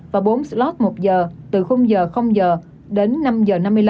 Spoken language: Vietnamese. và bốn slot một giờ từ khung giờ giờ đến năm giờ năm mươi năm